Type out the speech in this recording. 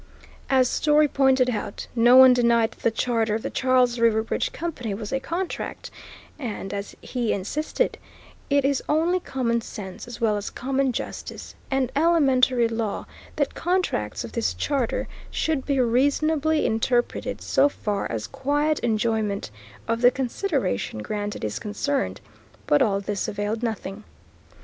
As Story pointed out, no one denied that the charter of the Charles River Bridge Company was a contract, and, as he insisted, it is only common sense as well as common justice and elementary law, that contracts of this character should be reasonably interpreted so far as quiet enjoyment of the consideration granted is concerned; but all this availed nothing.